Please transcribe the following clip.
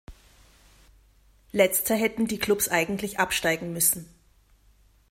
Letzter hätten die Clubs eigentlich absteigen müssen.